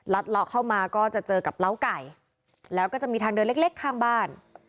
เลาะเข้ามาก็จะเจอกับเล้าไก่แล้วก็จะมีทางเดินเล็กข้างบ้าน